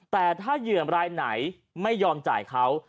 แต่ถ้าเหยื่อมรายไหนไม่ยอมจ่ายเขา